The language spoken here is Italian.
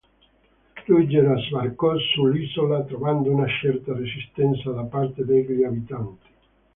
Ruggero sbarcò sull'isola trovando una certa resistenza da parte degli abitanti.